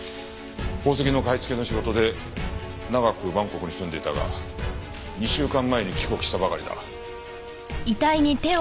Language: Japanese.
宝石の買い付けの仕事で長くバンコクに住んでいたが２週間前に帰国したばかりだ。